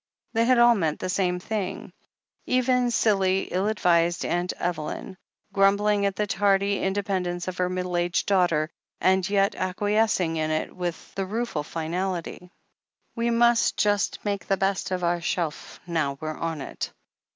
They had all meant the same thing— even silly, ill advised Aunt Eveljm, grumbling at the tardy inde pendence of her middle aged daughter, and yet acqui escing in it with the rueful finality: "We must just make the best of our shelf now we're on it."